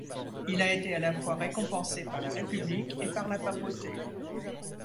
Il a été à la fois récompensé par la République et par la papauté.